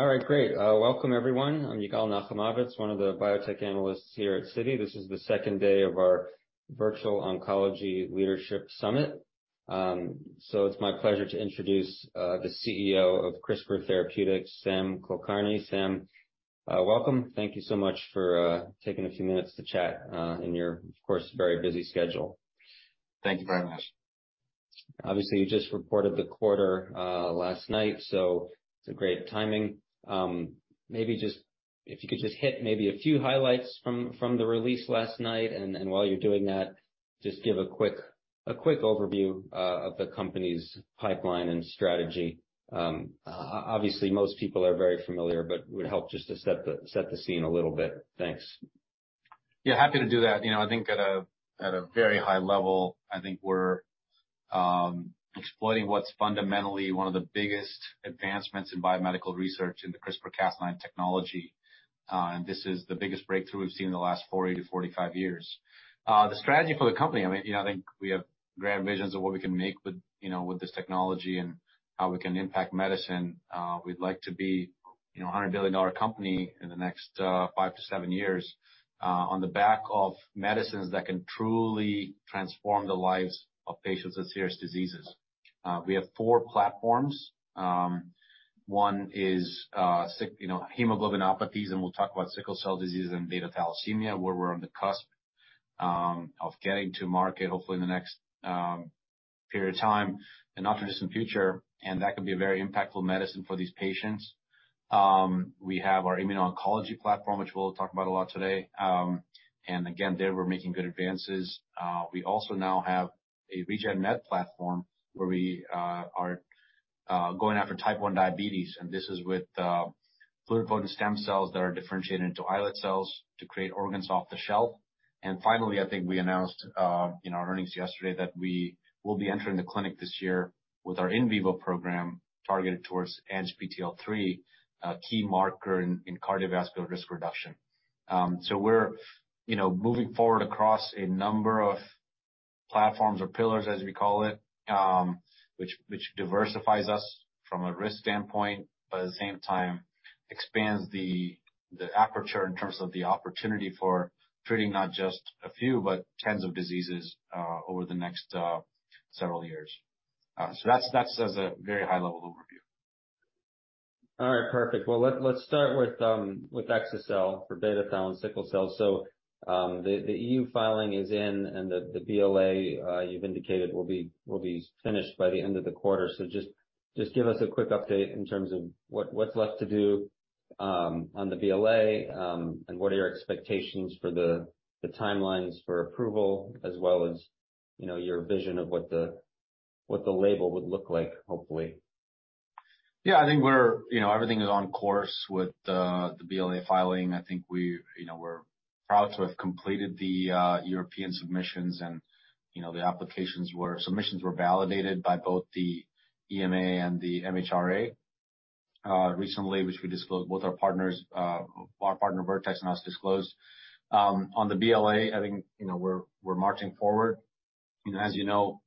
All right, great. Welcome, everyone. I'm Yigal Nochomovitz, one of the biotech analysts here at Citi. This is the second day of our virtual Oncology Leadership Summit. It's my pleasure to introduce the CEO of CRISPR Therapeutics, Samarth Kulkarni. Sam, welcome. Thank you so much for taking a few minutes to chat in your, of course, very busy schedule. Thank you very much. Obviously, you just reported the quarter, last night, so it's a great timing. Maybe just if you could just hit maybe a few highlights from the release last night, and while you're doing that, just give a quick overview, of the company's pipeline and strategy. Obviously, most people are very familiar, but it would help just to set the scene a little bit. Thanks. Yeah, happy to do that. You know, I think at a very high-level, I think we're exploiting what's fundamentally one of the biggest advancements in biomedical research in the CRISPR-Cas9 technology. This is the biggest breakthrough we've seen in the last 40 to 45 years. The strategy for the company, I mean, you know, I think we have grand visions of what we can make with, you know, with this technology and how we can impact medicine. We'd like to be, you know, a $100 billion company in the next five to seven years, on the back of medicines that can truly transform the lives of patients with serious diseases. We have four platforms. One is sick... You know, hemoglobinopathies, and we'll talk about sickle cell disease and beta thalassemia, where we're on the cusp of getting to market, hopefully in the next period of time, the not-too-distant future. That can be a very impactful medicine for these patients. We have our immuno-oncology platform, which we'll talk about a lot today. Again, there we're making good advances. We also now have a Regenerative platform where we are going after Type 1 diabetes, and this is with pluripotent stem cells that are differentiated into islet cells to create organs off the shelf. Finally, I think we announced in our earnings yesterday that we will be entering the clinic this year with our in vivo program targeted towards ANGPTL3, a key marker in cardiovascular risk reduction. We're, you know, moving forward across a number of platforms or pillars, as we call it, which diversifies us from a risk standpoint, but at the same time expands the aperture in terms of the opportunity for treating not just a few, but tens of diseases over the next several years. That's as a very high-level overview. All right. Perfect. Well, let's start with exa-cel for beta thal and sickle cell. The EU filing is in, and the BLA you've indicated will be finished by the end of the quarter. Just give us a quick update in terms of what's left to do on the BLA, and what are your expectations for the timelines for approval as well as, you know, your vision of what the label would look like, hopefully. I think you know, everything is on course with the BLA filing. I think we, you know, we're proud to have completed the European submissions and, you know, submissions were validated by both the EMA and the MHRA recently, which we disclosed with our partners, our partner, Vertex, and us disclosed. On the BLA, I think, you know, we're marching forward. You know, as you know,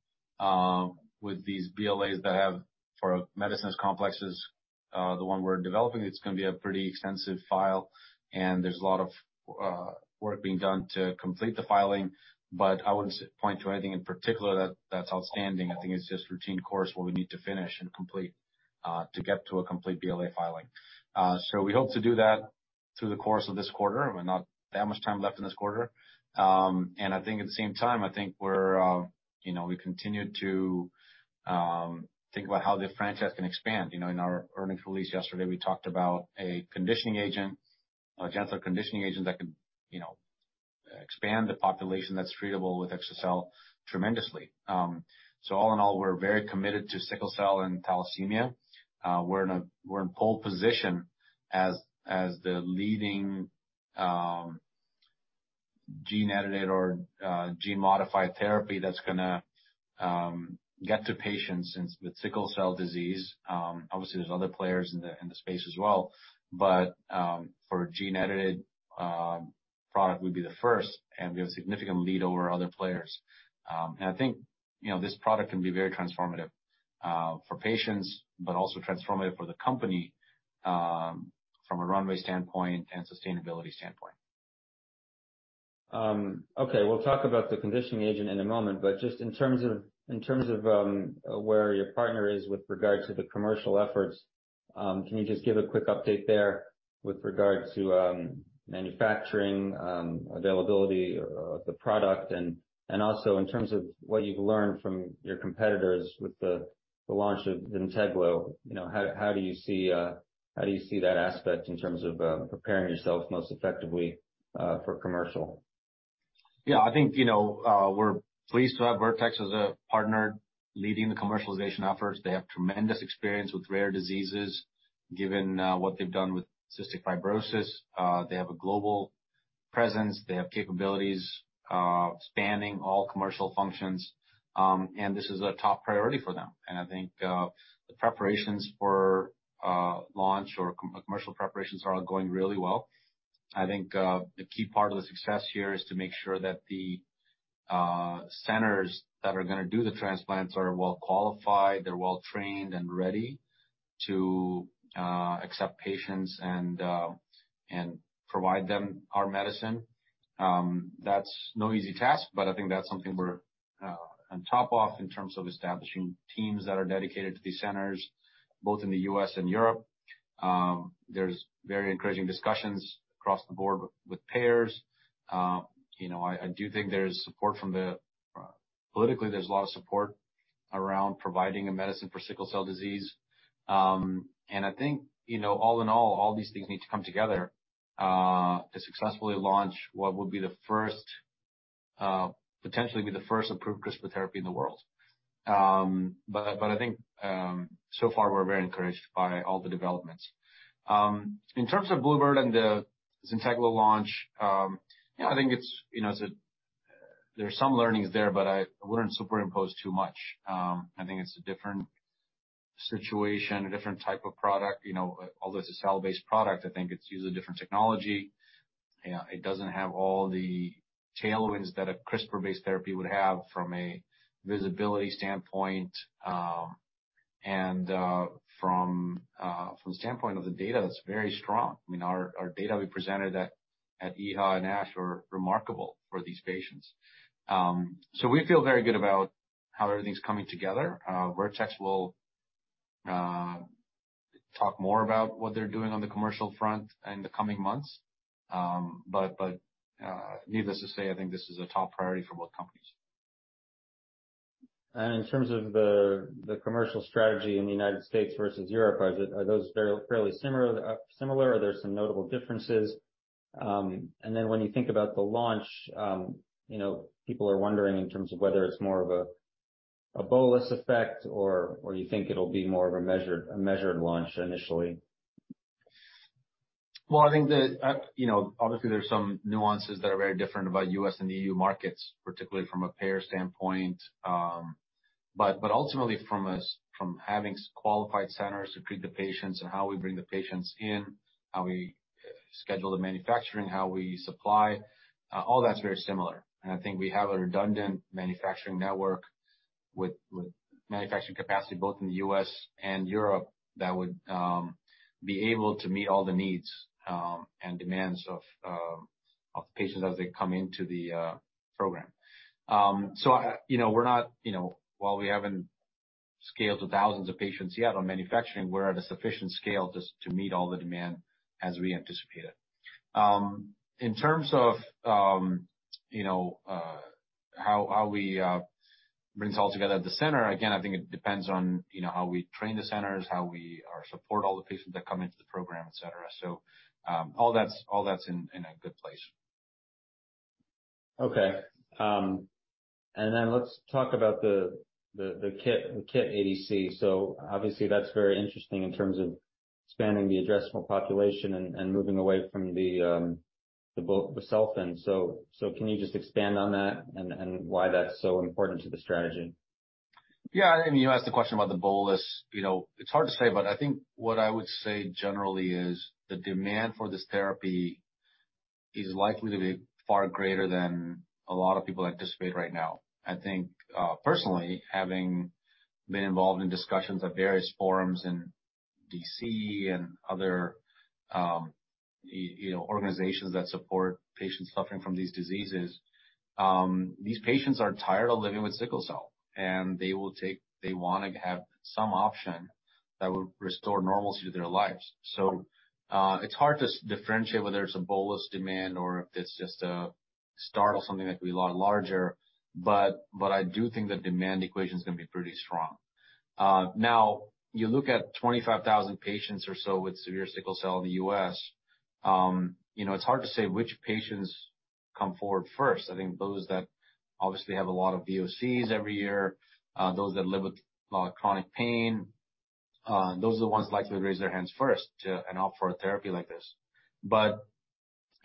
with these BLAs that have for medicines complexes, the one we're developing, it's gonna be a pretty extensive file, and there's a lot of work being done to complete the filing. I wouldn't point to anything in particular that's outstanding. I think it's just routine course what we need to finish and complete to get to a complete BLA filing. We hope to do that through the course of this quarter. I mean, not that much time left in this quarter. I think at the same time, I think we're, you know, we continue to think about how the franchise can expand. You know, in our earnings release yesterday, we talked about a conditioning agent, a gentler conditioning agent that can, you know, expand the population that's treatable with exa-cel tremendously. All in all, we're very committed to sickle cell and thalassemia. We're in pole position as the leading gene-edited or gene-modified therapy that's gonna get to patients, since with sickle cell disease, obviously, there's other players in the, in the space as well. For gene-edited product, we'd be the first, and we have a significant lead over other players. I think, you know, this product can be very transformative, for patients, but also transformative for the company, from a runway standpoint and sustainability standpoint. Okay, we'll talk about the conditioning agent in a moment, but just in terms of, where your partner is with regard to the commercial efforts, can you just give a quick update there with regard to, manufacturing, availability of the product and also in terms of what you've learned from your competitors with the launch of Zynteglo. You know, how do you see that aspect in terms of, preparing yourself most effectively, for commercial? Yeah, I think, you know, we're pleased to have Vertex as a partner leading the commercialization efforts. They have tremendous experience with rare diseases, given what they've done with cystic fibrosis. They have a global presence. They have capabilities, spanning all commercial functions. This is a top priority for them. I think, the preparations for launch or commercial preparations are going really well. I think, the key part of the success here is to make sure that the centers that are gonna do the transplants are well qualified, they're well-trained and ready to accept patients and provide them our medicine. That's no easy task, but I think that's something we're on top of in terms of establishing teams that are dedicated to these centers, both in the U.S. and Europe. There's very encouraging discussions across the board with payers. You know, I do think there's support from the politically, there's a lot of support around providing a medicine for sickle cell disease. I think, you know, all in all these things need to come together to successfully launch what would be the first, potentially be the first approved CRISPR therapy in the world. I think, so far, we're very encouraged by all the developments. In terms of Bluebird and the Zynteglo launch, you know, I think it's, you know, there are some learnings there, but I wouldn't superimpose too much. I think it's a different situation, a different type of product. You know, although it's a cell-based product, I think it's using different technology. You know, it doesn't have all the tailwinds that a CRISPR-based therapy would have from a visibility standpoint, and from the standpoint of the data, it's very strong. I mean, our data we presented at EHA and ASH are remarkable for these patients. We feel very good about how everything's coming together. Vertex will talk more about what they're doing on the commercial front in the coming months. Needless to say, I think this is a top priority for both companies. In terms of the commercial strategy in the United States versus Europe, are those fairly similar, or are there some notable differences? When you think about the launch, you know, people are wondering in terms of whether it's more of a bolus effect or you think it'll be more of a measured launch initially. I think the, you know, obviously there are some nuances that are very different about U.S. and EU markets, particularly from a payer standpoint. Ultimately from us, from having qualified centers to treat the patients and how we bring the patients in, how we schedule the manufacturing, how we supply, all that's very similar. I think we have a redundant manufacturing network with manufacturing capacity both in the U.S. and Europe that would be able to meet all the needs and demands of the patients as they come into the program. I, you know, we're not, you know, while we haven't scaled to thousands of patients yet on manufacturing, we're at a sufficient scale just to meet all the demand as we anticipate it. In terms of, you know, how we bring this all together at the center, again, I think it depends on, you know, how we train the centers, how we support all the patients that come into the program, et cetera. All that's in a good place. Okay. Let's talk about the kit ADC. Obviously, that's very interesting in terms of expanding the addressable population and moving away from the busulfan. Can you just expand on that and why that's so important to the strategy? Yeah. You asked the question about the bolus. You know, it's hard to say, but I think what I would say generally is the demand for this therapy is likely to be far greater than a lot of people anticipate right now. I think, personally, having been involved in discussions at various forums in D.C. and other, you know, organizations that support patients suffering from these diseases, these patients are tired of living with sickle cell, and they wanna have some option that would restore normalcy to their lives. It's hard to differentiate whether it's a bolus demand or if it's just a start of something that could be a lot larger, but I do think the demand equation is gonna be pretty strong. Now, you look at 25,000 patients or so with severe sickle cell in the U.S., you know, it's hard to say which patients come forward first. I think those that obviously have a lot of VOCs every year, those that live with a lot of chronic pain, those are the ones likely to raise their hands first and opt for a therapy like this.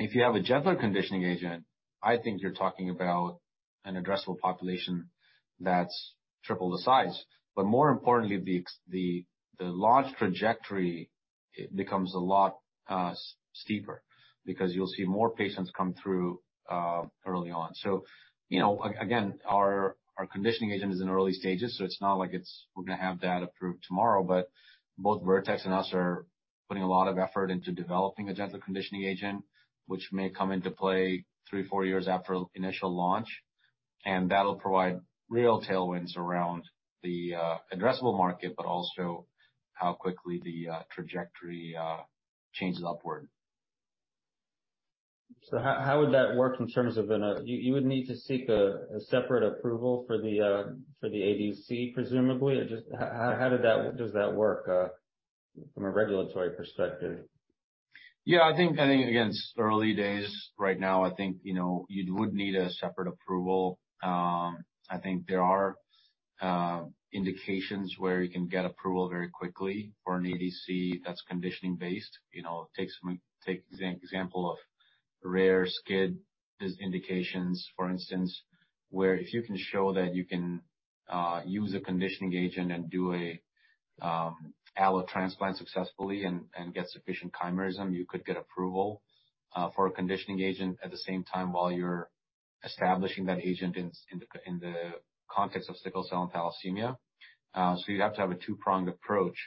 If you have a gentler conditioning agent, I think you're talking about an addressable population that's triple the size. More importantly, the launch trajectory, it becomes a lot steeper because you'll see more patients come through early on. You know, again, our conditioning agent is in early stages, so it's not like it's we're gonna have that approved tomorrow. Both Vertex and us are putting a lot of effort into developing a gentler conditioning agent, which may come into play three, four years after initial launch. That'll provide real tailwinds around the addressable market, but also how quickly the trajectory changes upward. How would that work in terms of an... You would need to seek a separate approval for the ADC, presumably? Or just how does that work from a regulatory perspective? I think, I think again, it's early days right now. I think, you know, you would need a separate approval. I think there are indications where you can get approval very quickly for an ADC that's conditioning-based. You know, take example of rare SCID as indications, for instance, where if you can show that you can use a conditioning agent and do an allotransplant successfully and get sufficient chimerism. You could get approval for a conditioning agent at the same time while you're establishing that agent in the context of sickle cell and thalassemia. You'd have to have a two-pronged approach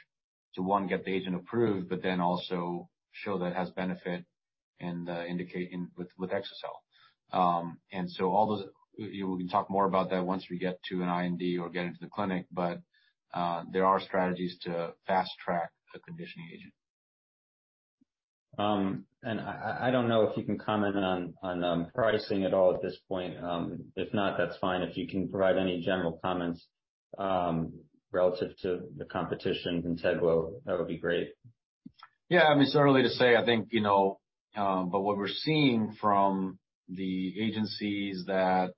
to, one, get the agent approved, but then also show that it has benefit in the indication with exa-cel. All those... We can talk more about that once we get to an IND or get into the clinic, but there are strategies to fast-track a conditioning agent. I don't know if you can comment on pricing at all at this point. If not, that's fine. If you can provide any general comments relative to the competition from Zynteglo, that would be great. Yeah, I mean, it's too early to say, I think, you know, but what we're seeing from the agencies that,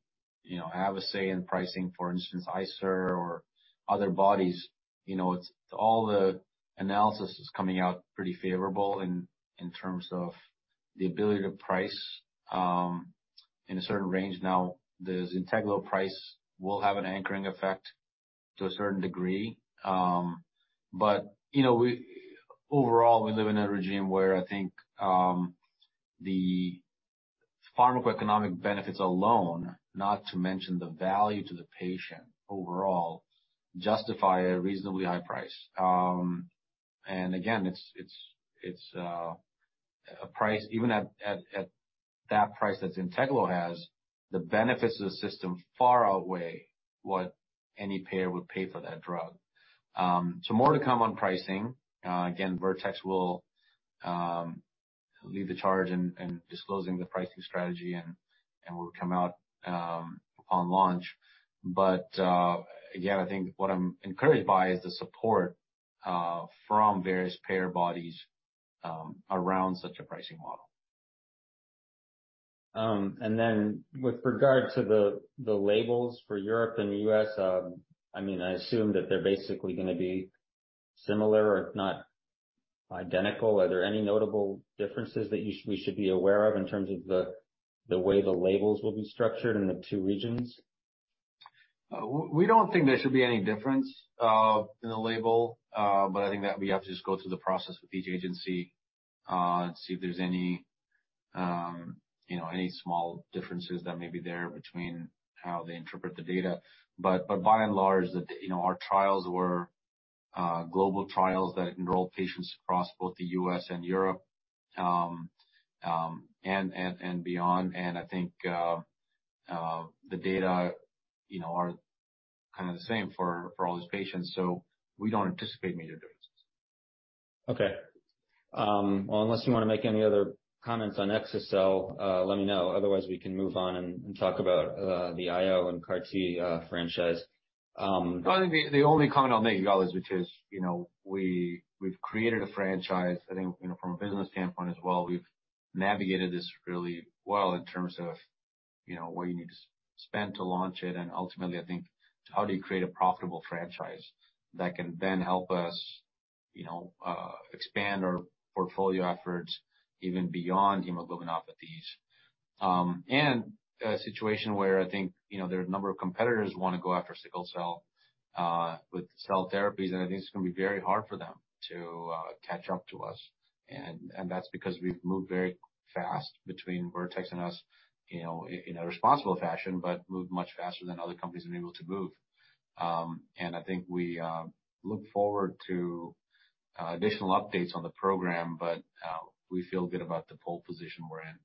you know, have a say in pricing, for instance, ICER or other bodies, you know, all the analysis is coming out pretty favorable in terms of the ability to price in a certain range. The Zynteglo price will have an anchoring effect to a certain degree. You know, overall, we live in a regime where I think the pharmacoeconomic benefits alone, not to mention the value to the patient overall, justify a reasonably high price. Again, it's a price, even at that price that Zynteglo has, the benefits to the system far outweigh what any payer would pay for that drug. More to come on pricing. Again, Vertex will lead the charge in disclosing the pricing strategy and will come out on launch. Again, I think what I'm encouraged by is the support from various payer bodies around such a pricing model. Then with regard to the labels for Europe and the U.S., I mean, I assume that they're basically gonna be similar or if not identical. Are there any notable differences that we should be aware of in terms of the way the labels will be structured in the two regions? We don't think there should be any difference in the label. I think that we have to just go through the process with each agency and see if there's any, you know, any small differences that may be there between how they interpret the data. By and large, the, you know, our trials were global trials that enrolled patients across both the U.S. and Europe, and beyond. I think, the data, you know, are kinda the same for all these patients, so we don't anticipate major differences. Okay. Well, unless you wanna make any other comments on exa-cel, let me know. Otherwise, we can move on and talk about the IO and CAR T franchise. No, I think the only comment I'll make, [Dallas], which is, you know, we've created a franchise, I think, you know, from a business standpoint as well. We've navigated this really well in terms of, you know, what you need to spend to launch it. Ultimately, I think, how do you create a profitable franchise that can then help us, you know, expand our portfolio efforts even beyond hemoglobinopathies? A situation where I think, you know, there are a number of competitors who wanna go after sickle cell with cell therapies, and I think it's gonna be very hard for them to catch up to us. That's because we've moved very fast between Vertex and us, you know, in a responsible fashion, but moved much faster than other companies have been able to move. I think we look forward to additional updates on the program, but we feel good about the pole position we're in.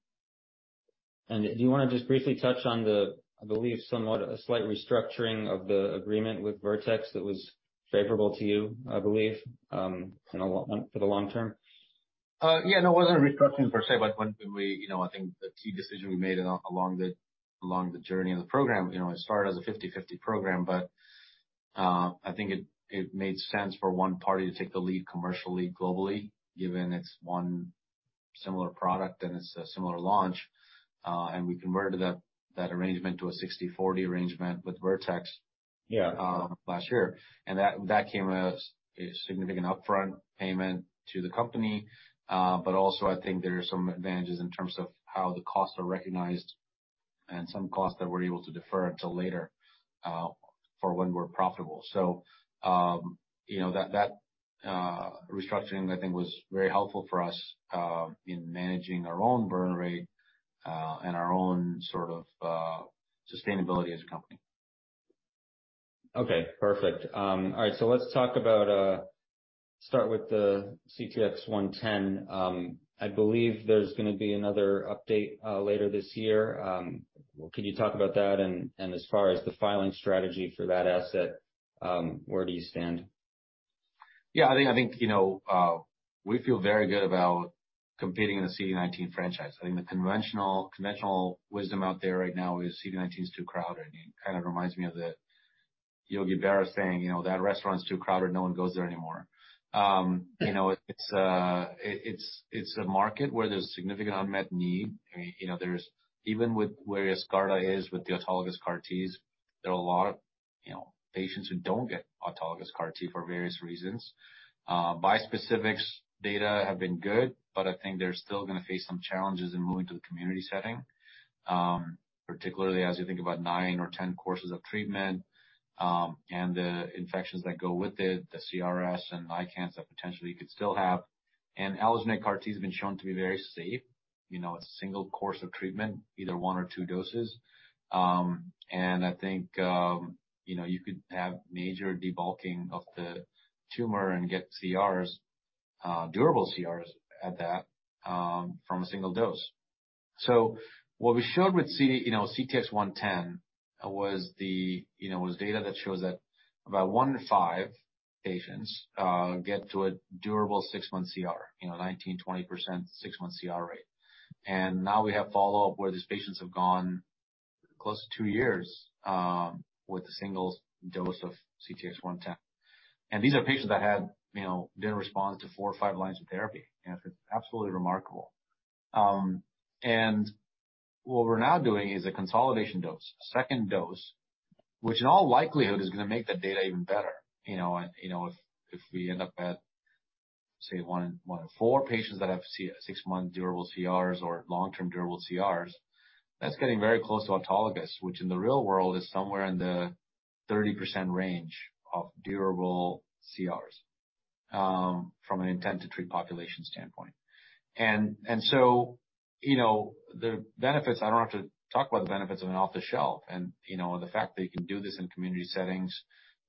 Do you wanna just briefly touch on the, I believe, somewhat a slight restructuring of the agreement with Vertex that was favorable to you, I believe, for the long-term? Yeah, no, it wasn't a restructuring per se, but when we, you know, I think the key decision we made along the, along the journey of the program, you know, it started as a 50/50 program, but I think it made sense for one party to take the lead commercially, globally, given it's one similar product and it's a similar launch. We converted that arrangement to a 60/40 arrangement with Vertex- Yeah... last year. That came as a significant upfront payment to the company. But also, I think there are some advantages in terms of how the costs are recognized and some costs that we're able to defer until later, for when we're profitable. You know, that restructuring I think was very helpful for us, in managing our own burn rate, and our own sort of, sustainability as a company. Okay, perfect. All right, let's talk about, start with the CTX110. I believe there's gonna be another update later this year. Can you talk about that? As far as the filing strategy for that asset, where do you stand? Yeah, I think, you know, we feel very good about competing in the CD19 franchise. I think the conventional wisdom out there right now is CD19 is too crowded, and it kind of reminds me of the Yogi Berra saying, you know, "That restaurant's too crowded, no one goes there anymore." You know, it's a market where there's significant unmet need. I mean, you know, there's even with where Yescarta is with the autologous CAR Ts, there are a lot of, you know, patients who don't get autologous CAR T for various reasons. Bispecifics data have been good, but I think they're still gonna face some challenges in moving to a community setting. Particularly as you think about nine or 10 courses of treatment, and the infections that go with it, the CRS and ICANS that potentially you could still have. Allogeneic CAR T has been shown to be very safe, you know, a single course of treatment, either one or two doses. I think, you know, you could have major debulking of the tumor and get CRs, durable CRs at that, from a single dose. What we showed with, you know, CTX110 was the, you know, was data that shows that about one in five patients get to a durable six-month CR. You know, 19%-20% six-month CR rate. Now we have a follow-up where these patients have gone close to two years with a single dose of CTX110. These are patients that had, you know, didn't respond to four or five lines of therapy, and it's absolutely remarkable. What we're now doing is a consolidation dose, a second dose, which in all likelihood is gonna make the data even better. You know, if we end up at, say, one in four patients that have six-month durable CRs or long-term durable CRs, that's getting very close to autologous, which in the real world is somewhere in the 30% range of durable CRs, from an intent-to-treat population standpoint. You know, the benefits, I don't have to talk about the benefits of an off-the-shelf and, you know, the fact that you can do this in community settings,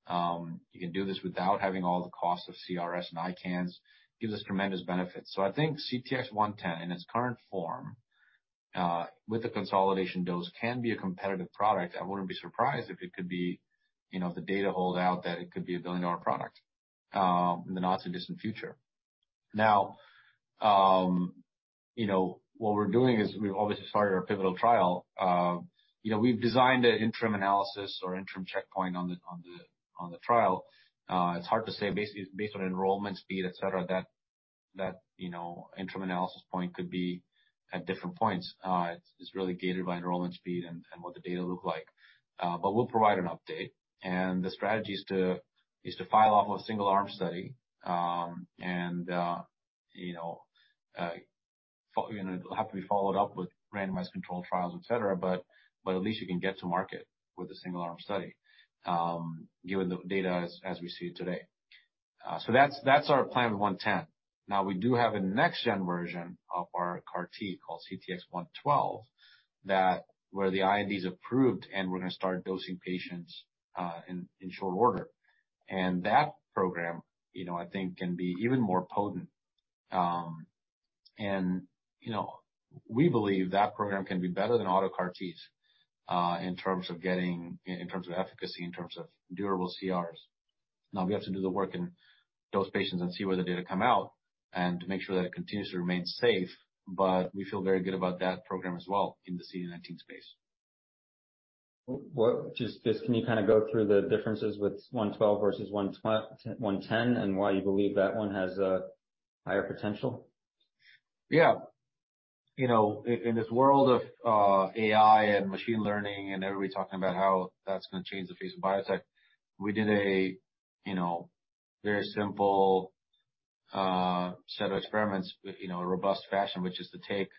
you can do this without having all the costs of CRS and ICANS, gives us tremendous benefits. I think CTX110, in its current form, with the consolidation dose, can be a competitive product. I wouldn't be surprised if it could be, you know, the data hold out that it could be a billion-dollar product, in the not-so-distant future. You know, what we're doing is we've obviously started our pivotal trial. You know, we've designed an interim analysis or interim checkpoint on the trial. It's hard to say based on enrollment speed, et cetera, that, you know, interim analysis point could be at different points. It's really gated by enrollment speed and what the data look like. We'll provide an update. The strategy is to file off a single-arm study, you know, it'll have to be followed up with randomized controlled trials, et cetera. But at least you can get to market with a single-arm study, given the data as we see it today. That's our plan with CTX110. We do have a next-gen version of our CAR T called CTX112, that where the IND is approved, and we're gonna start dosing patients in short order. That program, you know, I think can be even more potent. You know, we believe that program can be better than auto CAR Ts in terms of efficacy, in terms of durable CRs. We have to do the work in those patients and see where the data come out and make sure that it continues to remain safe. We feel very good about that program as well in the CD19 space. What, just, can you kinda go through the differences with 112 versus 110, and why you believe that one has a higher potential? Yeah. You know, in this world of AI and machine learning and everybody talking about how that's gonna change the face of biotech, we did a, you know, very simple set of experiments with, you know, a robust fashion, which is to take,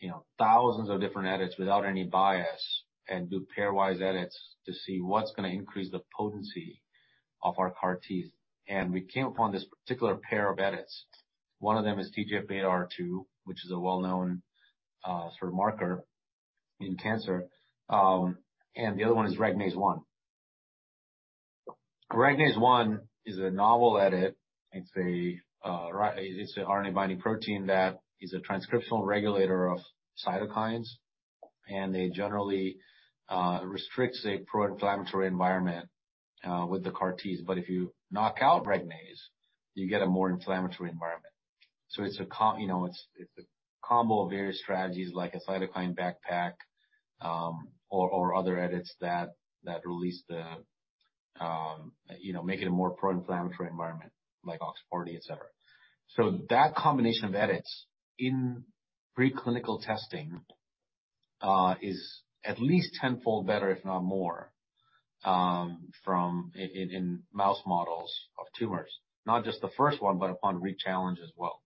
you know, thousands of different edits without any bias and do pairwise edits to see what's gonna increase the potency of our CAR Ts. We came upon this particular pair of edits. One of them is TGF-beta R2, which is a well-known sort of marker in cancer, and the other one is Regnase-1. Regnase-1 is a novel edit. It's an RNA-binding protein that is a transcriptional regulator of cytokines, and it generally restricts a pro-inflammatory environment with the CAR Ts. If you knock out Regnase, you get a more inflammatory environment. It's, you know, it's a combo of various strategies like a cytokine backpack, or other edits that release the, you know, make it a more pro-inflammatory environment like OX40, et cetera. That combination of edits in preclinical testing, is at least tenfold better, if not more, from, in mouse models of tumors. Not just the first one, but upon re-challenge as well.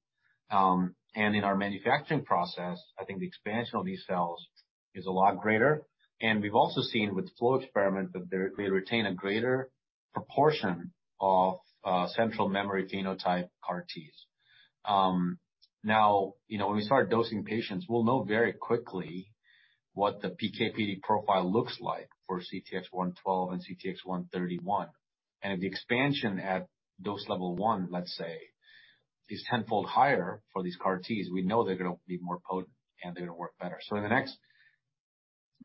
In our manufacturing process, I think the expansion of these cells is a lot greater. We've also seen with flow experiment that they retain a greater proportion of central memory phenotype CAR Ts. Now, you know, when we start dosing patients, we'll know very quickly what the PK/PD profile looks like for CTX112 and CTX131. If the expansion at dose level one, let's say, is tenfold higher for these CAR Ts, we know they're gonna be more potent and they're gonna work better. In the next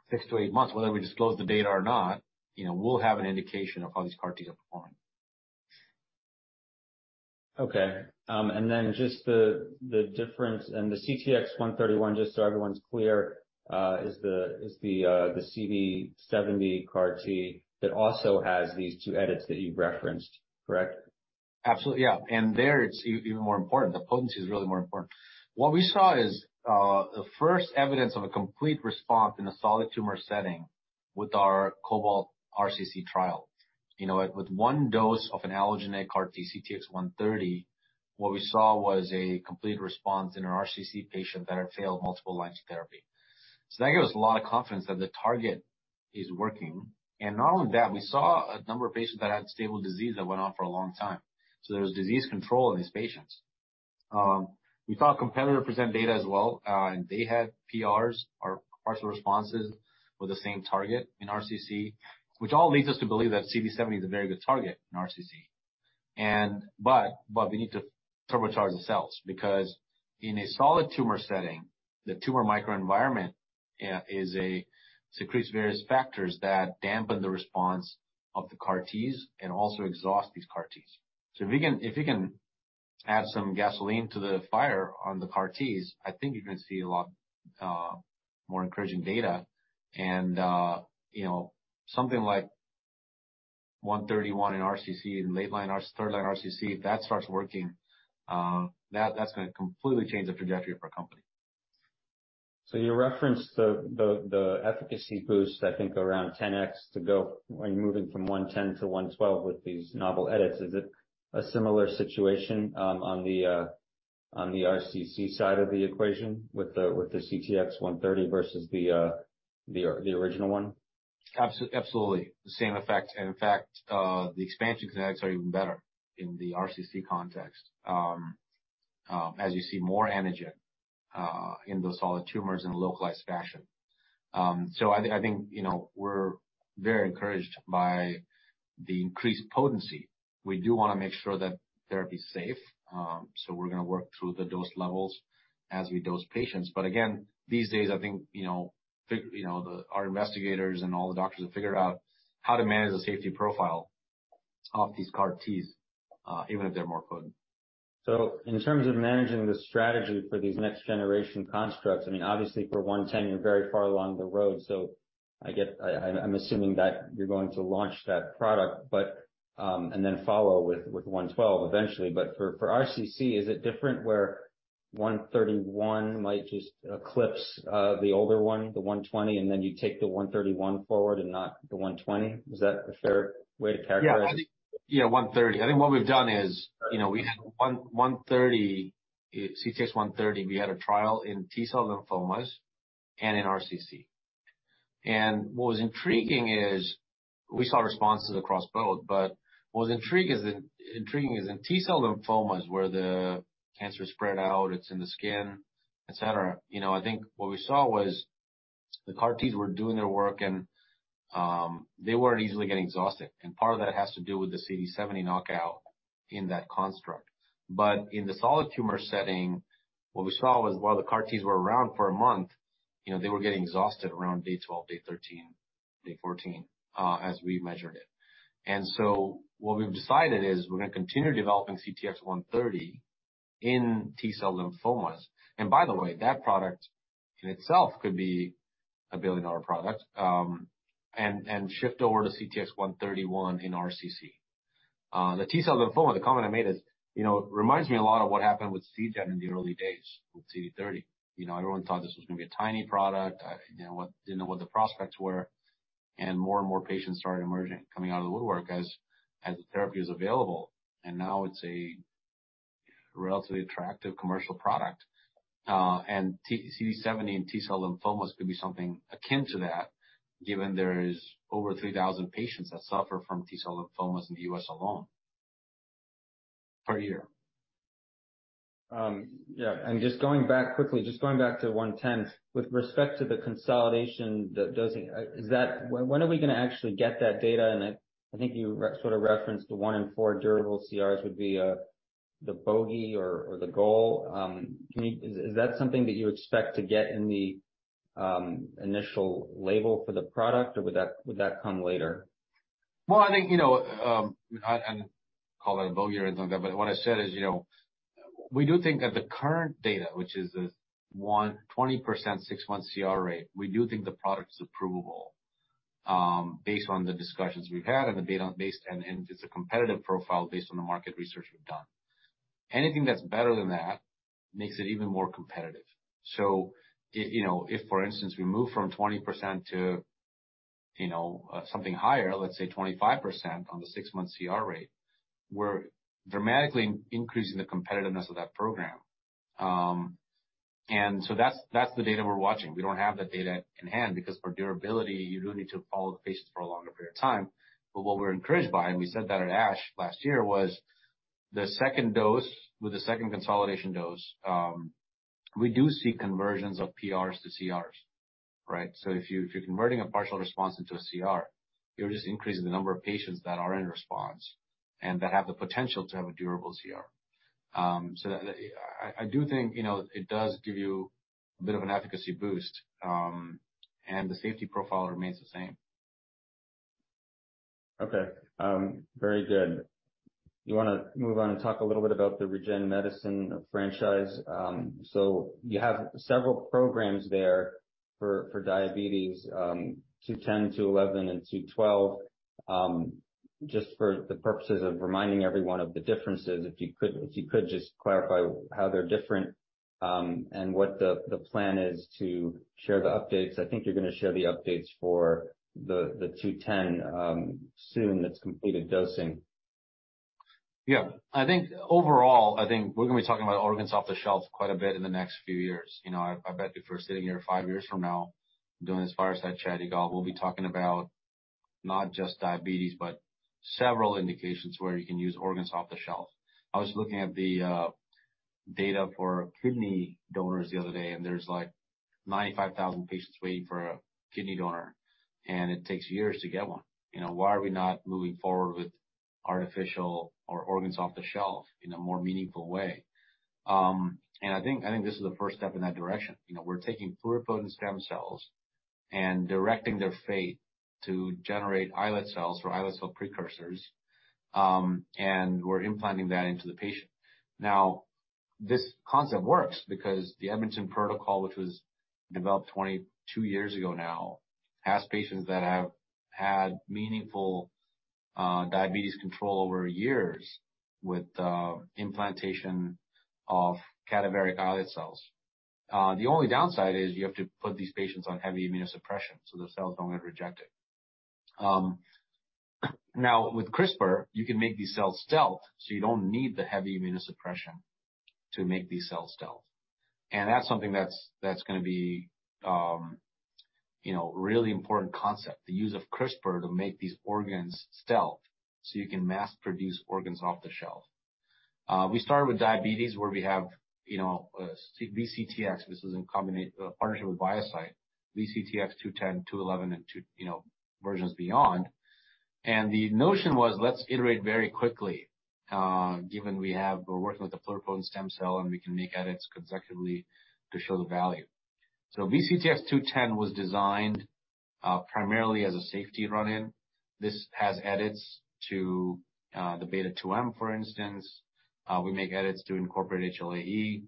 six to eight months, whether we disclose the data or not, you know, we'll have an indication of how these CAR T are performing. Okay. Just the CTX131, just so everyone's clear, is the CD70 CAR T that also has these two edits that you've referenced, correct? Absolutely, yeah. There it's even more important. The potency is really more important. What we saw is the first evidence of a complete response in a solid tumor setting with our COBALT-RCC trial. You know, with 1 dose of an allogeneic CAR T CTX130. What we saw was a complete response in our RCC patient that had failed multiple lines of therapy. That gives us a lot of confidence that the target is working. Not only that, we saw a number of patients that had stable disease that went on for a long time. There was disease control in these patients. We saw a competitor present data as well, and they had PRs or partial responses with the same target in RCC, which all leads us to believe that CD70 is a very good target in RCC. We need to turbocharge the cells because in a solid tumor setting, the tumor microenvironment secretes various factors that dampen the response of the CAR Ts and also exhaust these CAR Ts. If you can add some gasoline to the fire on the CAR Ts, I think you're gonna see a lot more encouraging data. You know, something like CTX131 in RCC, in third-line RCC, if that starts working, that's gonna completely change the trajectory of our company. You referenced the efficacy boost, I think, around 10x to go when moving from CTX110 to CTX112 with these novel edits. Is it a similar situation on the RCC side of the equation with the CTX130 versus the original one? Absolutely. The same effect. In fact, the expansion effects are even better in the RCC context, as you see more antigen in those solid tumors in a localized fashion. I think, you know, the, our investigators and all the doctors have figured out how to manage the safety profile of these CAR Ts, even if they're more potent. In terms of managing the strategy for these next-generation constructs, I mean, obviously for 110 you're very far along the road, I'm assuming that you're going to launch that product, but, and then follow with 112 eventually. For RCC, is it different where 131 might just eclipse the older one, the 120, and then you take the 131 forward and not the 120? Is that a fair way to characterize it? Yeah. I think. Yeah, 130. I think what we've done is, you know, we had 1, 130, CTX130, we had a trial in T-cell lymphomas and in RCC. What was intriguing is we saw responses across both, but what was intriguing is in T-cell lymphomas, where the cancer is spread out, it's in the skin, et cetera, you know, I think what we saw was the CAR Ts were doing their work, and they weren't easily getting exhausted. Part of that has to do with the CD70 knockout in that construct. In the solid tumor setting, what we saw was while the CAR Ts were around for a month, you know, they were getting exhausted around day 12, day 13, day 14, as we measured it. What we've decided is we're gonna continue developing CTX130 in T-cell lymphomas. By the way, that product in itself could be a billion-dollar product, and shift over to CTX131 in RCC. The T-cell lymphoma, the comment I made is, you know, it reminds me a lot of what happened with Seagen in the early days with CD30. You know, everyone thought this was gonna be a tiny product, you know, didn't know what the prospects were, and more and more patients started emerging, coming out of the woodwork as the therapy is available. Now it's a relatively attractive commercial product. CD70 in T-cell lymphomas could be something akin to that, given there is over 3,000 patients that suffer from T-cell lymphomas in the U.S. alone per year. Yeah. Just going back quickly, just going back to 110, with respect to the consolidation dosing, is that when are we gonna actually get that data? I think you sort of referenced the one in four durable CRs would be the bogey or the goal. Can you Is that something that you expect to get in the initial label for the product, or would that come later? Well, I think, you know, I call it a bogey or anything like that, but what I said is, you know, we do think that the current data, which is a 20% six-month CR rate, we do think the product is approvable, based on the discussions we've had and it's a competitive profile based on the market research we've done. Anything that's better than that makes it even more competitive. You know, if, for instance, we move from 20% to, you know, something higher, let say 25% on the six-month CR rate, we're dramatically increasing the competitiveness of that program. That's, that's the data we're watching. We don't have the data in hand because for durability, you do need to follow the patients for a longer period of time. What we're encouraged by, and we said that at ASH last year, was the second dose with the second consolidation dose, we do see conversions of PRs to CRs, right? If you, if you're converting a partial response into a CR, you're just increasing the number of patients that are in response and that have the potential to have a durable CR. So that I do think, you know, it does give you a bit of an efficacy boost, and the safety profile remains the same. Okay. Very good. You wanna move on and talk a little bit about the Regenerative Medicine franchise? So you have several programs there for diabetes, 210, 211, and 212. Just for the purposes of reminding everyone of the differences, if you could just clarify how they're different. And what the plan is to share the updates. I think you're gonna share the updates for the 210 soon, that's completed dosing. Yeah. I think overall, I think we're gonna be talking about organs off the shelf quite a bit in the next few years. You know, I bet if we're sitting here five years from now, doing this fireside chat, Yigal, we'll be talking about not just diabetes, but several indications where you can use organs off the shelf. I was looking at the data for kidney donors the other day, and there's like 95,000 patients waiting for a kidney donor, and it takes years to get one. You know, why are we not moving forward with artificial or organs off the shelf in a more meaningful way? I think this is the first step in that direction. You know, we're taking pluripotent stem cells and directing their fate to generate islet cells or islet cell precursors. We're implanting that into the patient. Now, this concept works because the Edmonton protocol, which was developed 22 years ago now, has patients that have had meaningful diabetes control over years with implantation of cadaveric islet cells. The only downside is you have to put these patients on heavy immunosuppression, the cells don't get rejected. Now, with CRISPR, you can make these cells stealth, you don't need the heavy immunosuppression to make these cells stealth. That's something that's gonna be, you know, really important concept, the use of CRISPR to make these organs stealth, you can mass produce organs off the shelf. We started with diabetes, where we have, you know, VCTX. This is in partnership with ViaCyte. VCTX210, 211, and two, you know, versions beyond. The notion was, let's iterate very quickly, given we're working with a pluripotent stem cell, and we can make edits consecutively to show the value. VCTX210 was designed, primarily as a safety run-in. This has edits to, the beta-2-microglobulin, for instance. We make edits to incorporate HLA-E,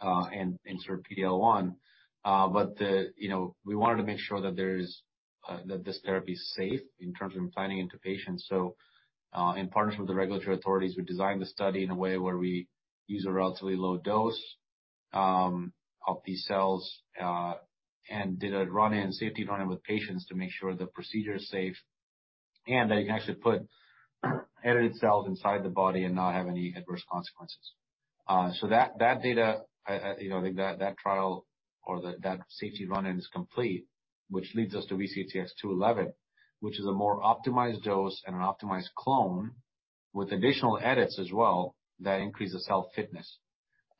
and insert PD-L1. You know, we wanted to make sure that there is, that this therapy is safe in terms of implanting into patients. In partnership with the regulatory authorities, we designed the study in a way where we use a relatively low dose of these cells and did a run-in, safety run-in with patients to make sure the procedure is safe and that you can actually put edited cells inside the body and not have any adverse consequences. That data, you know, I think that trial or that safety run-in is complete, which leads us to VCTX211, which is a more optimized dose and an optimized clone with additional edits as well that increase the cell fitness.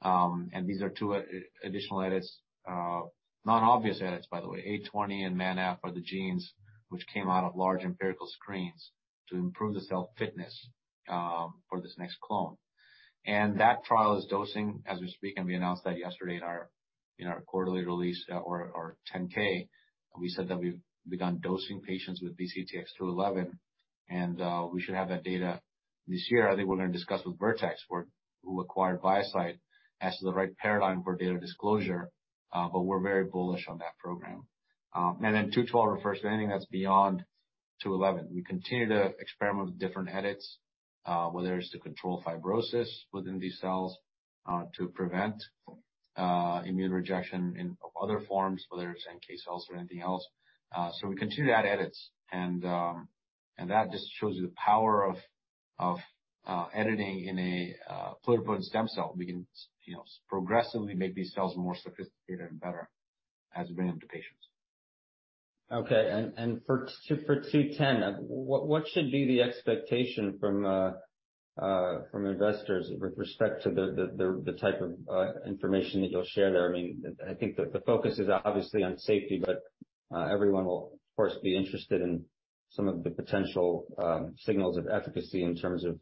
These are two additional edits, non-obvious edits, by the way. A20 and MANF are the genes which came out of large empirical screens to improve the cell fitness for this next clone. That trial is dosing as we speak, and we announced that yesterday in our quarterly release, or 10-K. We said that we've begun dosing patients with VCTX211, and we should have that data this year. I think we're gonna discuss with Vertex, who acquired ViaCyte, as to the right paradigm for data disclosure, but we're very bullish on that program. Then two twelve refers to anything that's beyond two eleven. We continue to experiment with different edits, whether it's to control fibrosis within these cells, to prevent immune rejection of other forms, whether it's NK cells or anything else. We continue to add edits and that just shows you the power of editing in a pluripotent stem cell. We can, you know, progressively make these cells more sophisticated and better as we bring them to patients. Okay. For 210, what should be the expectation from investors with respect to the type of information that you'll share there? I mean, I think the focus is obviously on safety, but everyone will, of course, be interested in some of the potential signals of efficacy in terms of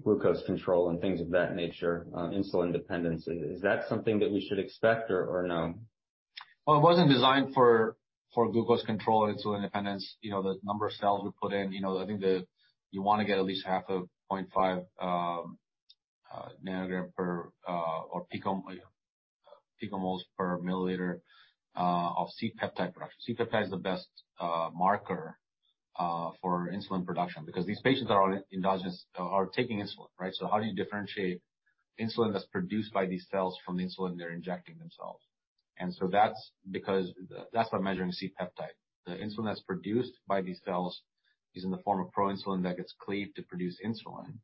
glucose control and things of that nature, insulin dependence. Is that something that we should expect or no? Well, it wasn't designed for glucose control, insulin independence. You know, the number of cells we put in. You know, I think you wanna get at least half of 0.5 nanogram per or picomoles per milliliter of C-peptide production. C-peptide is the best marker for insulin production because these patients are all taking insulin, right? How do you differentiate insulin that's produced by these cells from the insulin they're injecting themselves? That's by measuring C-peptide. The insulin that's produced by these cells is in the form of proinsulin that gets cleaved to produce insulin,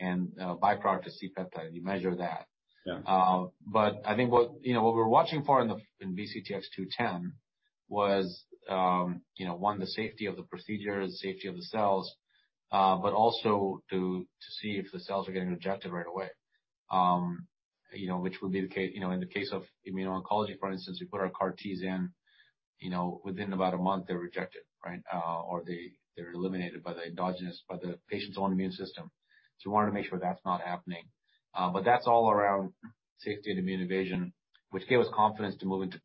and a byproduct is, and you measured that. Yeah. I think what, you know, what we're watching for in VCTX210 was, you know, one, the safety of the procedure, the safety of the cells, but also to see if the cells are getting rejected right away. You know, in the case of immuno-oncology, for instance, we put our CAR-Ts in, you know, within about one month, they're rejected, right? Or they're eliminated by the patient's own immune system. We wanna make sure that's not happening. That's all around safety and immune evasion, which gave us confidence to move into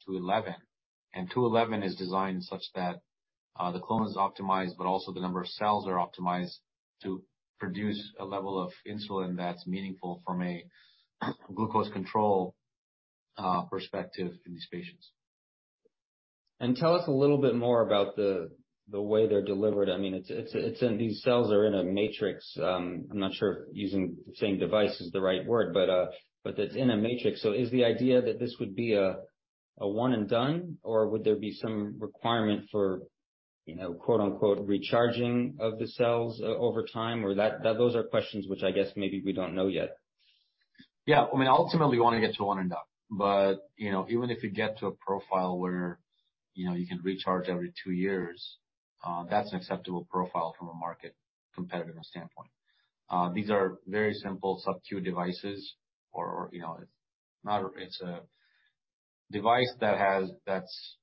VCTX211. 211 is designed such that, the clone is optimized, but also the number of cells are optimized to produce a level of insulin that's meaningful from a glucose control, perspective in these patients. Tell us a little bit more about the way they're delivered. It's these cells are in a matrix. I'm not sure if using saying device is the right word, but it's in a matrix. Is the idea that this would be a one-and-done, or would there be some requirement for, you know, quote-unquote, recharging of the cells over time? Those are questions which I guess maybe we don't know yet. Yeah. I mean, ultimately, we wanna get to a one-and-done. Even if you get to a profile where, you know, you can recharge every two years, that's an acceptable profile from a market competitive standpoint. These are very simple sub-two devices or, you know, It's a device that's,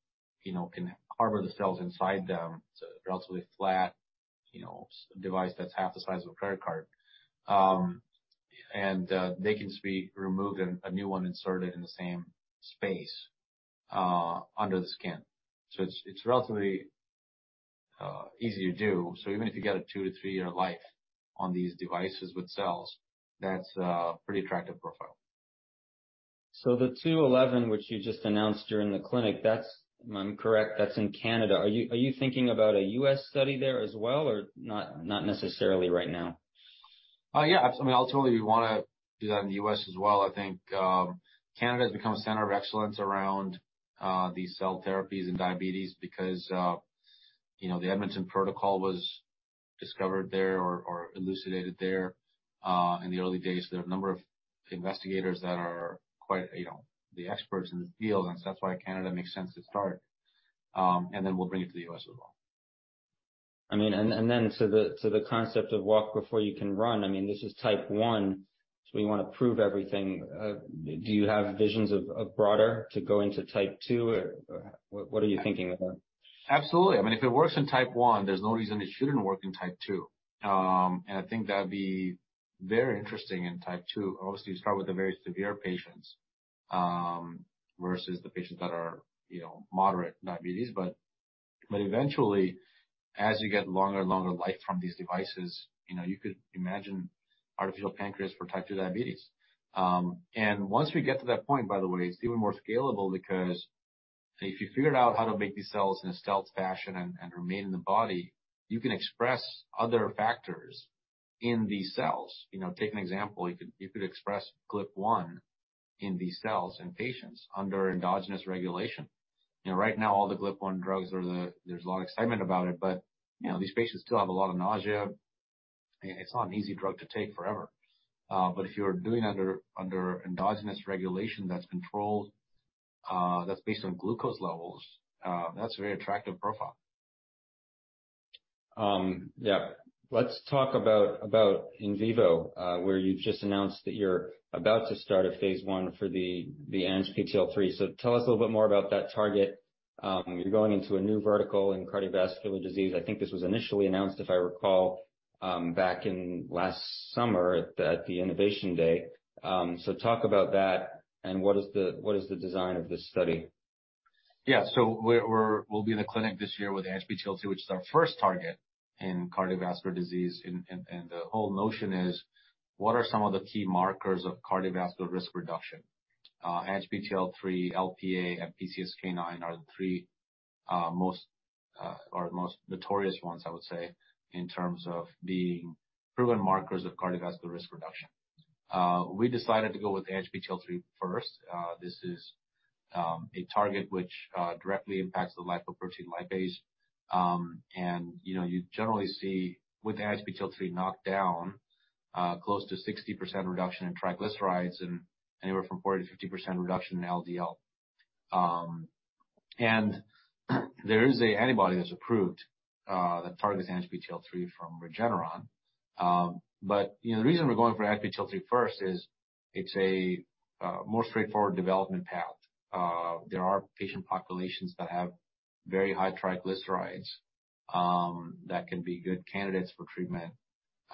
you know, can harbor the cells inside them. It's a relatively flat, you know, device that's half the size of a credit card. They can just be removed and a new one inserted in the same space, under the skin. It's relatively easy to do. Even if you get a two to three-year life on these devices with cells, that's a pretty attractive profile. The 211 which you just announced during the clinic, that's, if I'm correct, that's in Canada. Are you thinking about a U.S. study there as well, or not necessarily right now? Yeah. I mean, ultimately, we wanna do that in the U.S. as well. I think, Canada has become a center of excellence around these cell therapies and diabetes because, you know, the Edmonton protocol was discovered there or elucidated there, in the early days. There are a number of investigators that are quite, you know, the experts in the field, and that's why Canada makes sense to start. Then we'll bring it to the U.S. as well. I mean, then to the concept of walk before you can run, I mean, this is Type 1. We wanna prove everything. Do you have visions of broader to go into Type 2 or what are you thinking about? Absolutely. I mean, if it works in Type 1, there's no reason it shouldn't work in Type 2. I think that'd be very interesting in Type 2. Obviously, you start with the very severe patients, versus the patients that are, you know, moderate diabetes. But eventually, as you get longer and longer life from these devices, you know, you could imagine artificial pancreas for Type 2 diabetes. Once we get to that point, by the way, it's even more scalable because if you figured out how to make these cells in a stealth fashion and remain in the body, you can express other factors in these cells. You know, take an example. You could express GLP-1 in these cells in patients under endogenous regulation. You know, right now, all the GLP-1 drugs are there's a lot of excitement about it, but, you know, these patients still have a lot of nausea, and it's not an easy drug to take forever. If you're doing under endogenous regulation that's controlled, that's based on glucose levels, that's a very attractive profile. Yeah. Let's talk about in vivo, where you've just announced that you're about to start a phase I for the ANGPTL3. Tell us a little bit more about that target. You're going into a new vertical in cardiovascular disease. I think this was initially announced, if I recall, back in last summer at the Innovation Day. Talk about that and what is the design of this study. Yeah. We're in the clinic this year with ANGPTL3, which is our first target in cardiovascular disease. The whole notion is, what are some of the key markers of cardiovascular risk reduction? ANGPTL3, LPA, and PCSK9 are the three most or most notorious ones, I would say, in terms of being proven markers of cardiovascular risk reduction. We decided to go with the ANGPTL3 first. This is a target which directly impacts the lipoprotein lipase. You know, you generally see with ANGPTL3 knocked down, close to 60% reduction in triglycerides and anywhere from 40%-50% reduction in LDL. There is a antibody that's approved that targets ANGPTL3 from Regeneron. You know, the reason we're going for ANGPTL3 first is it's a more straightforward development path. There are patient populations that have very high triglycerides that can be good candidates for treatment.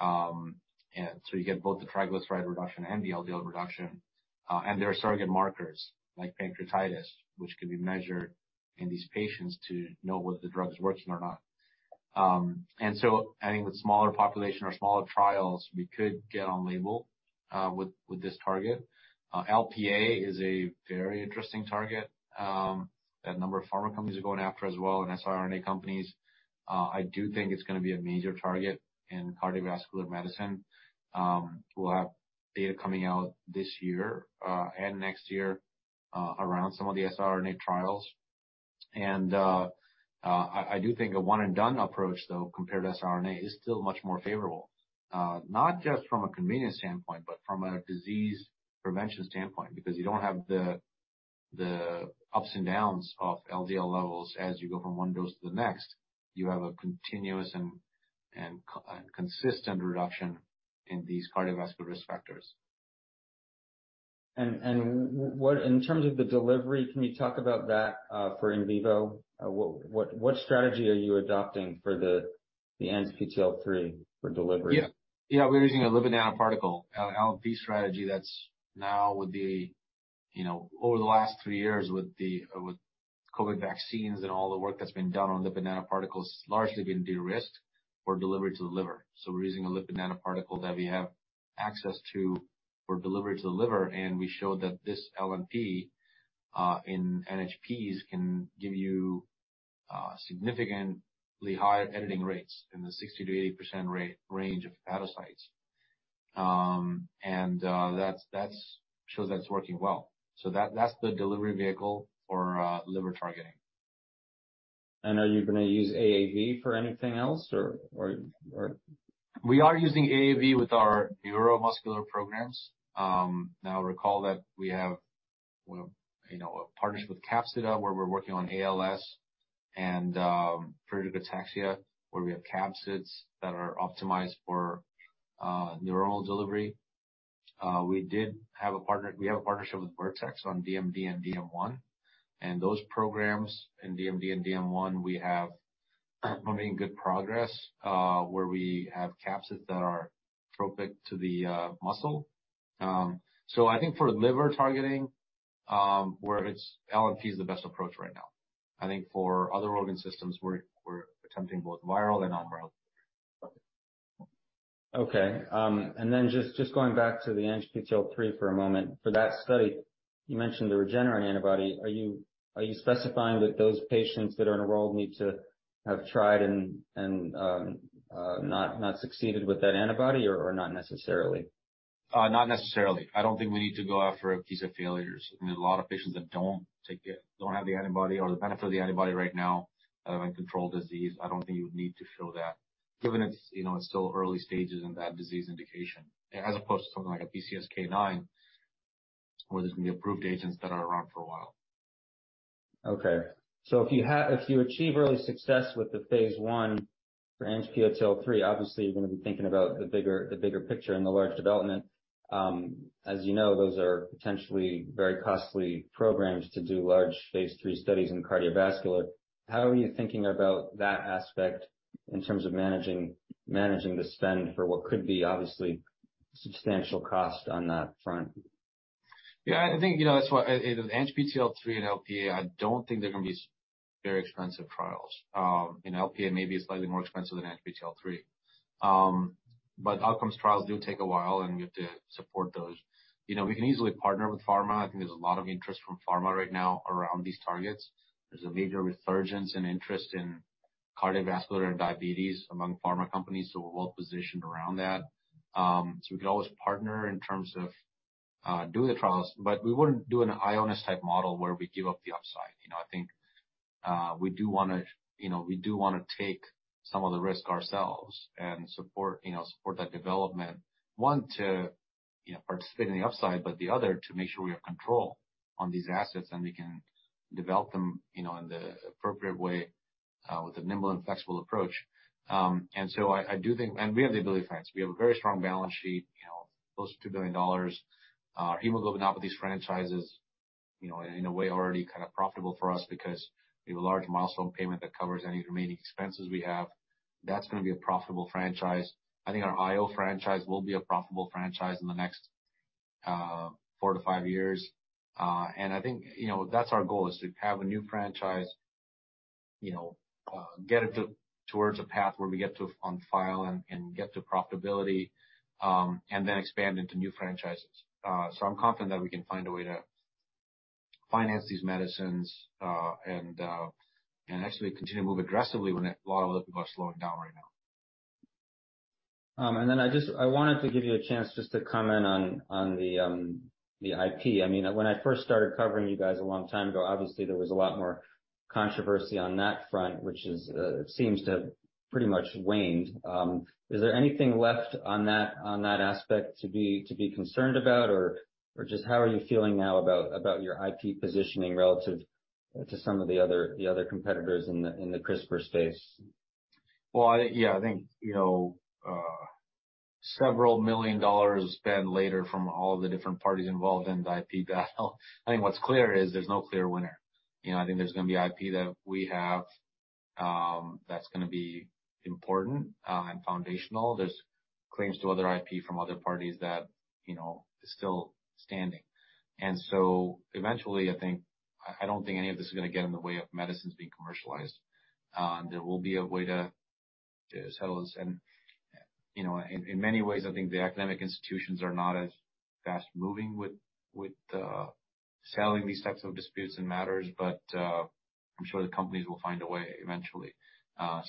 You get both the triglyceride reduction and the LDL reduction. There are surrogate markers like pancreatitis, which can be measured in these patients to know whether the drug is working or not. I think with smaller population or smaller trials, we could get on label with this target. LPA is a very interesting target that a number of pharma companies are going after as well and siRNA companies. I do think it's gonna be a major target in cardiovascular medicine. We'll have data coming out this year and next year around some of the siRNA trials. I do think a one and done approach, though, compared to siRNA, is still much more favorable. Not just from a convenience standpoint, but from a disease prevention standpoint, because you don't have the ups and downs of LDL levels as you go from 1 dose to the next. You have a continuous and consistent reduction in these cardiovascular risk factors. In terms of the delivery, can you talk about that for in vivo? What strategy are you adopting for the ANGPTL3 for delivery? Yeah. Yeah. We're using a lipid nanoparticle, LNP strategy that's now with the, you know, over the last three years with the COVID vaccines and all the work that's been done on lipid nanoparticles, largely been de-risked. For delivery to the liver. We're using a lipid nanoparticle that we have access to for delivery to the liver, and we show that this LNP in NHPs can give you significantly higher editing rates in the 60%-80% range of hepatocytes. That shows that it's working well. That's the delivery vehicle for liver targeting. Are you gonna use AAV for anything else or? We are using AAV with our neuromuscular programs. Now recall that we have, you know, a partnership with Capsida, where we're working on ALS and Friedreich's ataxia, where we have capsids that are optimized for neural delivery. We have a partnership with Vertex on DMD and DM1. Those programs in DMD and DM1, we have been making good progress, where we have capsids that are tropic to the muscle. I think for liver targeting, where it's LNP is the best approach right now. I think for other organ systems, we're attempting both viral and non-viral. Okay. Just going back to the ANGPTL3 for a moment. For that study, you mentioned the Regeneron antibody. Are you specifying that those patients that are enrolled need to have tried and not succeeded with that antibody or not necessarily? Not necessarily. I don't think we need to go out for a piece of failures. I mean, a lot of patients that don't take it, don't have the antibody or the benefit of the antibody right now, and control disease. I don't think you would need to show that given it's, you know, it's still early stages in that disease indication as opposed to something like a PCSK9, where there's gonna be approved agents that are around for a while. If you achieve early success with the phase I for ANGPTL3, obviously you're gonna be thinking about the bigger picture and the large development. As you know, those are potentially very costly programs to do large phase III studies in cardiovascular. How are you thinking about that aspect in terms of managing the spend for what could be obviously substantial cost on that front? I think, you know, either ANGPTL3 and LPA, I don't think they're gonna be very expensive trials. You know, LPA may be slightly more expensive than ANGPTL3. Outcomes trials do take a while, and we have to support those. You know, we can easily partner with pharma. I think there's a lot of interest from pharma right now around these targets. There's a major resurgence and interest in cardiovascular and diabetes among pharma companies, so we're well-positioned around that. We could always partner in terms of doing the trials, but we wouldn't do an Ionis type model where we give up the upside. You know, I think we do wanna, you know, we do wanna take some of the risk ourselves and support, you know, support that development. One, to, you know, participate in the upside, the other, to make sure we have control on these assets and we can develop them, you know, in the appropriate way, with a nimble and flexible approach. I do think. We have the ability to finance. We have a very strong balance sheet, you know, close to $2 billion. Our hemoglobinopathies franchises, you know, in a way, are already kind of profitable for us because we have a large milestone payment that covers any remaining expenses we have. That's gonna be a profitable franchise. I think our IO franchise will be a profitable franchise in the next four to five years. I think, you know, that's our goal, is to have a new franchise, you know, towards a path where we get to on file and get to profitability. Then expand into new franchises. I'm confident that we can find a way to finance these medicines, and actually continue to move aggressively when a lot of other people are slowing down right now. I wanted to give you a chance just to comment on the IP. I mean, when I first started covering you guys a long time ago, obviously there was a lot more controversy on that front, which seems to have pretty much waned. Is there anything left on that, on that aspect to be concerned about? Or just how are you feeling now about your IP positioning relative to some of the other competitors in the CRISPR space? Well, Yeah, I think, you know, several million dollars spent later from all the different parties involved in the IP battle. I think what's clear is there's no clear winner. You know, I think there's gonna be IP that we have, that's gonna be important and foundational. There's claims to other IP from other parties that, you know, is still standing. Eventually, I don't think any of this is gonna get in the way of medicines being commercialized. There will be a way to settle this. You know, in many ways, I think the academic institutions are not as fast-moving with selling these types of disputes and matters, but I'm sure the companies will find a way eventually. I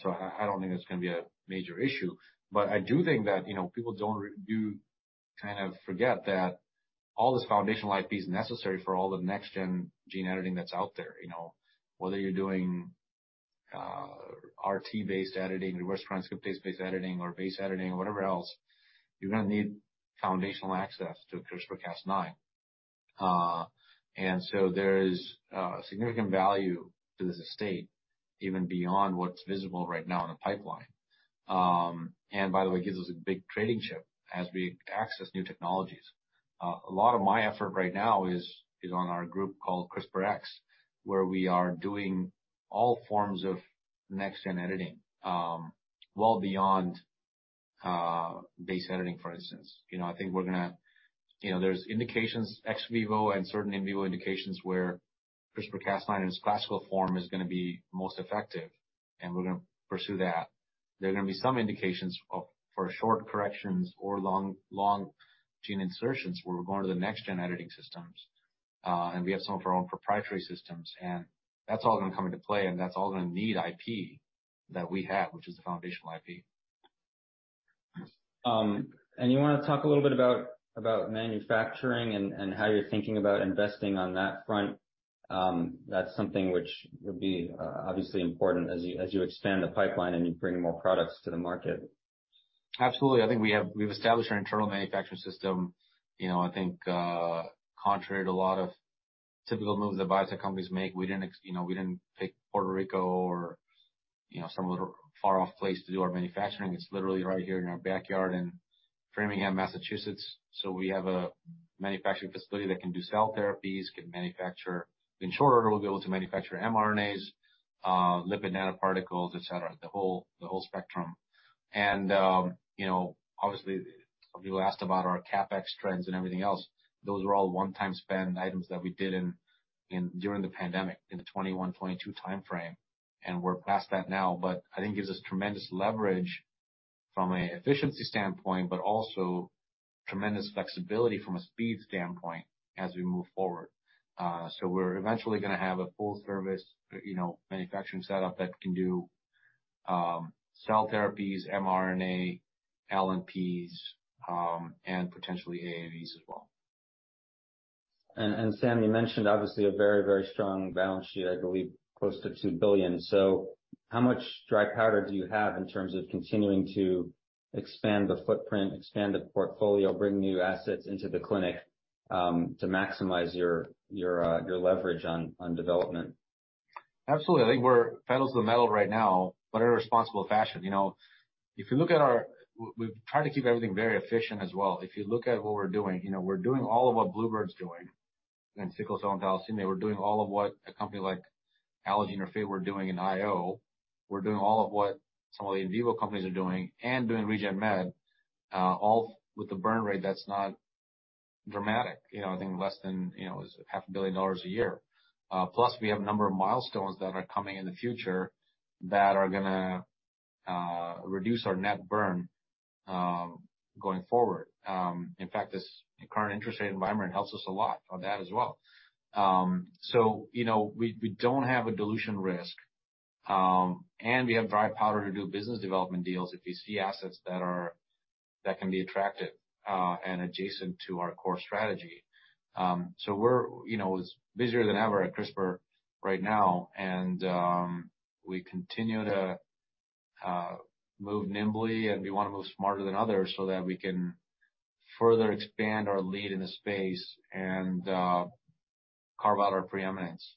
don't think that's gonna be a major issue. I do think that, you know, people don't do kind of forget that all this foundational IP is necessary for all the next gen gene editing that's out there. You know, whether you're doing RT-based editing, reverse transcriptase-based editing or base editing or whatever else, you're gonna need foundational access to CRISPR-Cas9. There is significant value to this estate, even beyond what's visible right now in the pipeline. By the way, it gives us a big trading chip as we access new technologies. A lot of my effort right now is on our group called CRISPR X, where we are doing all forms of next-gen editing, well beyond base editing, for instance. You know, I think we're gonna... You know, there's indications ex vivo and certain in vivo indications where CRISPR-Cas9 in its classical form is gonna be most effective, and we're gonna pursue that. There are gonna be some indications of, for short corrections or long gene insertions where we're going to the next-gen editing systems. We have some of our own proprietary systems, and that's all gonna come into play, and that's all gonna need IP that we have, which is the foundational IP. You wanna talk a little bit about manufacturing and how you're thinking about investing on that front? That's something which would be obviously important as you expand the pipeline and you bring more products to the market. Absolutely. I think we've established our internal manufacturing system. You know, I think, contrary to a lot of typical moves that biotech companies make, we didn't pick Puerto Rico or, you know, some other far off place to do our manufacturing. It's literally right here in our backyard in Framingham, Massachusetts. We have a manufacturing facility that can do cell therapies, can manufacture. In short order, we'll be able to manufacture mRNAs, lipid nanoparticles, et cetera, the whole spectrum. You know, obviously, you asked about our CapEx trends and everything else. Those were all one-time spend items that we did during the pandemic in the 2021, 2022 timeframe, and we're past that now. I think gives us tremendous leverage from an efficiency standpoint, but also tremendous flexibility from a speed standpoint as we move forward. So we're eventually gonna have a full service, you know, manufacturing setup that can do cell therapies, mRNA, LNPs, and potentially AAVs as well. Sam, you mentioned obviously a very strong balance sheet, I believe close to $2 billion. How much dry powder do you have in terms of continuing to expand the footprint, expand the portfolio, bring new assets into the clinic, to maximize your leverage on development? Absolutely. I think we're pedal to the metal right now, but in a responsible fashion. You know, if you look at our... We've tried to keep everything very efficient as well. If you look at what we're doing, you know, we're doing all of what Bluebird's doing in sickle cell and thalassemia. We're doing all of what a company like Allogene Therapeutics were doing in IO. We're doing all of what some of the in vivo companies are doing and doing Regen Med, all with the burn rate that's not dramatic. You know, I think less than, you know, half a billion dollars a year. Plus we have a number of milestones that are coming in the future that are gonna reduce our net burn going forward. In fact, this current interest rate environment helps us a lot on that as well. You know, we don't have a dilution risk, and we have dry powder to do business development deals if we see assets that can be attractive and adjacent to our core strategy. We're, you know, as busier than ever at CRISPR right now, and we continue to move nimbly, and we wanna move smarter than others so that we can further expand our lead in the space and carve out our preeminence.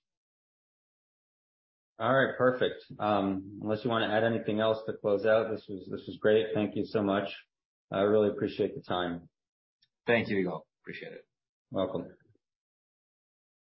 All right. Perfect. Unless you wanna add anything else to close out, this was great. Thank you so much. I really appreciate the time. Thank you, Igor. Appreciate it. Welcome.